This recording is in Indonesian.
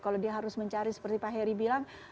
kalau dia harus mencari seperti pak heri bilang